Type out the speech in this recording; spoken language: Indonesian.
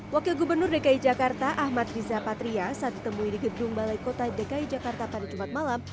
wakil gubernur dki jakarta ahmad riza patria saat ditemui di gedung balai kota dki jakarta pada jumat malam